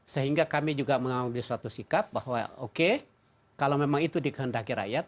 sehingga kami juga mengambil suatu sikap bahwa oke kalau memang itu dikehendaki rakyat